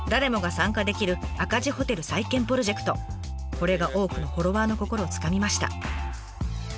これが多くのフォロワーの心をつかみました。